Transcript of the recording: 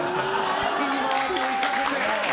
先に周りを行かせて。